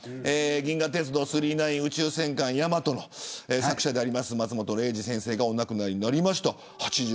銀河鉄道９９９宇宙戦艦ヤマトの作者である松本零士先生がお亡くなりになりました。